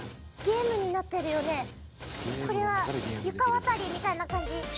これしかもこれは床渡りみたいな感じ。